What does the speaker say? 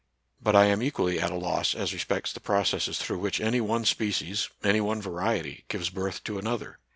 But I am equally at a loss as respects the processes through which any one species, any one variety, gives birth to an other.